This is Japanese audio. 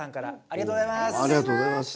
ありがとうございます。